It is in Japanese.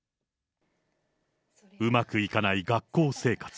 うまくいかない学校生活。